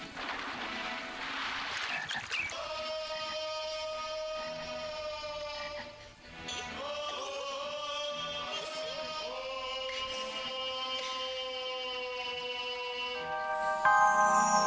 itu tuh ko sungguhan